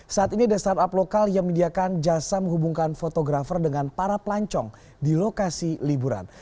saat ini ada startup lokal yang menyediakan jasa menghubungkan fotografer dengan para pelancong di lokasi liburan